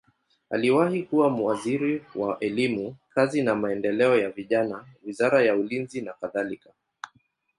Aliwahi kuwa waziri wa elimu, kazi na maendeleo ya vijana, wizara ya ulinzi nakadhalika.